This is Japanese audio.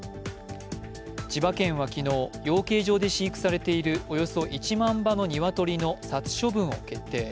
千葉県は昨日、養鶏場で飼育されているおよそ１万羽の鶏の殺処分を決定。